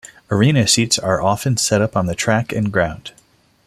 "Arena seats" are often set up on the track and ground.